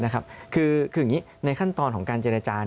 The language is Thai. คืออย่างนี้ในขั้นตอนของการเจรจา